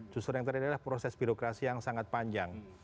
justru yang terjadi adalah proses birokrasi yang sangat panjang